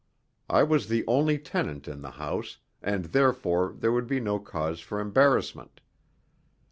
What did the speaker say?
I was the only tenant in the house, and therefore there would be no cause for embarrassment.